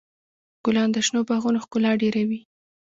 ګلان د شنو باغونو ښکلا ډېروي.